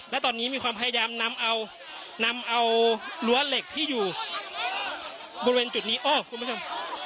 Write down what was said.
และตอนนี้มีความพยายามนำเอานำเอารั้วเหล็กที่อยู่บริเวณจุดนี้อ้อคุณผู้ชม